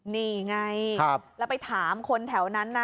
นี่ไงแล้วไปถามคนแถวนั้นนะ